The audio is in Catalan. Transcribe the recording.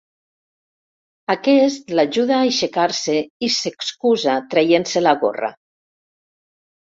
Aquest l'ajuda a aixecar-se i s'excusa traient-se la gorra.